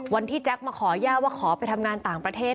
แจ๊คมาขอย่าว่าขอไปทำงานต่างประเทศ